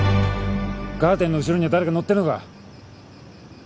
カーテンの後ろには誰か乗ってるのか？